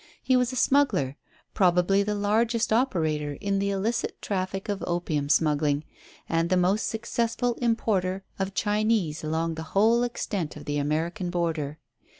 He was a smuggler, probably the largest operator in the illicit traffic of opium smuggling, and the most successful importer of Chinese along the whole extent of the American border.